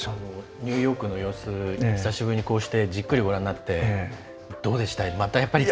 ニューヨークの様子を久々にじっくりご覧になってどうでした？